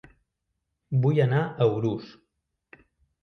Vull anar a Urús